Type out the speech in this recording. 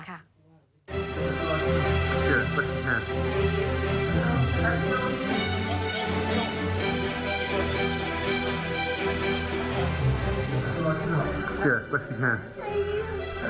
ชีวิตในเวลากะทะเมืองอีกช่วง